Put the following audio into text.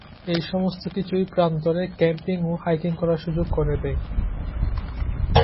এই সমস্তকিছুই প্রান্তরে ক্যাম্পিং ও হাইকিং করার সুযোগ করে দেয়।